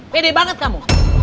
pede banget kamu